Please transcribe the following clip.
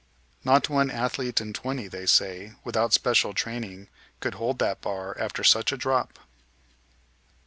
Not one athlete in twenty, they say, without special training, could hold that bar after such a drop.